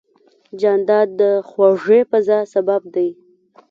جانداد د خوږې فضا سبب دی.